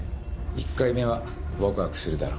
１回目はワクワクするだろ